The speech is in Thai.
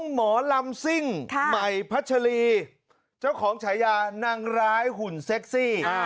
หมอลำซิ่งใหม่พัชรีเจ้าของฉายานางร้ายหุ่นเซ็กซี่